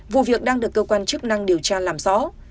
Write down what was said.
vụ việc đang được cơ quan chức năng điều tra làm rõ